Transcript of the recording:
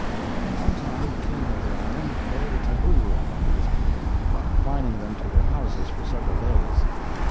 At one time the King of the island laid a tabu upon his people, confining them to their houses for several days.